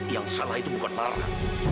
yang salah itu bukan salah